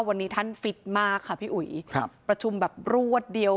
วันนี้ท่านฟิตมากค่ะพี่อุ๋ยครับประชุมแบบรวดเดียว